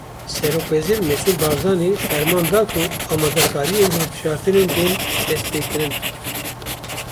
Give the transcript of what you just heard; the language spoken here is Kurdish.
Serokwezîr Mesrûr Barzanî ferman da ku amadekariyên hilbijartinan bên destpêkirin